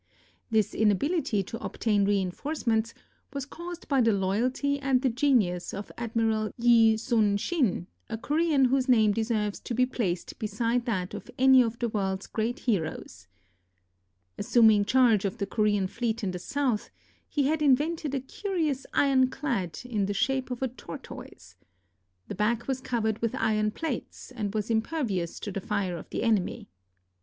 This inability to obtain re inforcements was caused by the loyalty and the genius of Admiral Yi Sun sin, a Korean whose name deserves to be placed beside that of any of the world's great heroes. Assuming charge of the Korean fleet in the south, he had invented a curious ironclad in the shape of a tortoise. The back was covered with iron plates, and was impervious to the fire of the enemy.